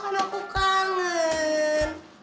kan aku kangen